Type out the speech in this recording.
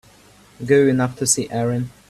Going up to see Erin.